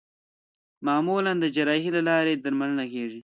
معمولا د جراحۍ له لارې درملنه کېږي.